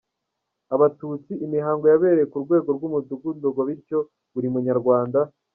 Abatutsi, imihango yabereye ku rwego rwumudugudu ngo bityo buri Munyarwanda.